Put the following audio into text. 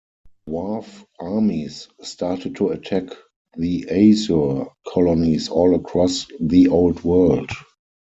Dwarf armies started to attack the Asur colonies all across the Old World.